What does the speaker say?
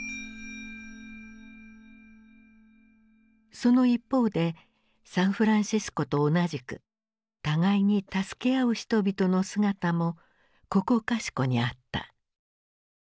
その一方でサンフランシスコと同じく互いに助け合う人々の姿もここかしこにあった。